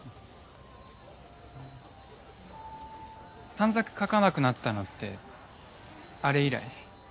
短冊書かなくなったのってあれ以来？